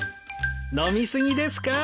・飲み過ぎですか？